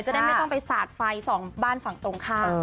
จะได้ไม่ต้องไปสาดไฟส่องบ้านฝั่งตรงข้าม